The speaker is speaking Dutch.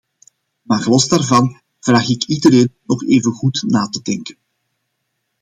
Maar los daarvan, vraag ik iedereen nog even goed na te denken.